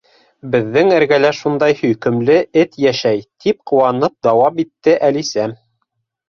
—Беҙҙең эргәлә шундай һөйкөмлө эт йәшәй! —тип ҡыуанып дауам итте Әлисә.